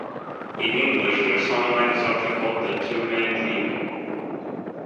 In English, their songline is often called the "Two Men Dreaming".